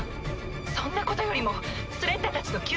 そんなことよりもスレッタたちの救援に。